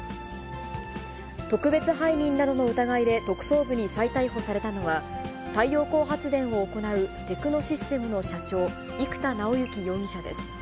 特別背任などの疑いで特捜部に再逮捕されたのは、太陽光発電を行うテクノシステムの社長、生田尚之容疑者です。